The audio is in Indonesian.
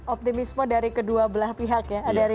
optimisme dari kedua belah pihak ya